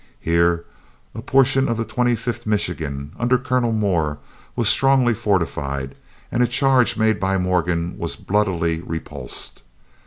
Here a portion of the Twenty fifth Michigan, under Colonel Moore, was strongly fortified, and a charge made by Morgan was bloodily repulsed.